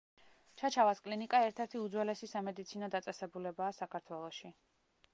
ჩაჩავას კლინიკა ერთ-ერთი უძველესი სამედიცინო დაწესებულებაა საქართველოში.